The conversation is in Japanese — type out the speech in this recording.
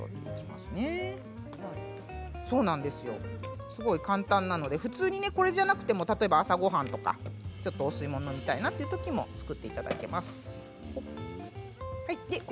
すごい簡単なので普通に、これでなくても朝ごはんとかちょっとお吸い物を飲みたいなというときにも作っていただけます。